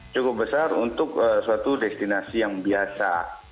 cukup besar untuk suatu destinasi yang biasa